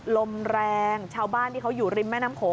ลมแรงชาวบ้านที่เขาอยู่ริมแม่น้ำโขง